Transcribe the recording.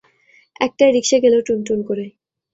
একটা রিকশা গেল টুনটুন করে।